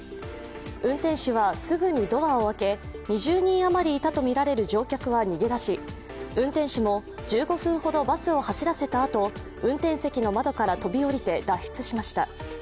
運転手はすぐにドアを開け２０人あまりいたとみられる乗客は逃げだし運転手も１５分ほどバスを走らせたあと運転席の窓から飛び降りて脱出しました。